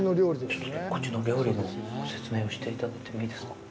ちょっと、こっちの料理のご説明をしていただいてもいいですか。